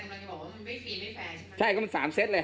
อาจารย์กำลังจะบอกว่ามันไม่ฟรีไม่แฟร์ใช่ไหม